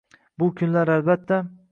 Bu kunlar albatta